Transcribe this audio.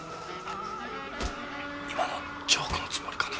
今のジョークのつもりかな？